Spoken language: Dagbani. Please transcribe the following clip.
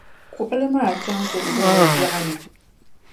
kuɣili maa chaŋ ti furi o gbɛɣu ni.